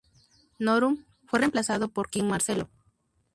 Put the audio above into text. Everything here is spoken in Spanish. Norum fue reemplazado por Kee Marcello.